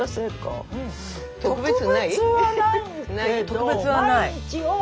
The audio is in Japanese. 特別はない。